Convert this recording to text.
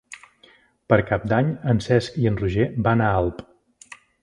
Per Cap d'Any en Cesc i en Roger van a Alp.